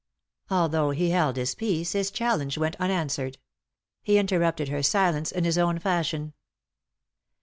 Although he held his peace his challenge went unanswered. He interrupted her silence in his own fashion.